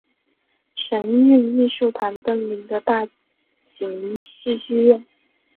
神韵艺术团登临的大型戏剧院。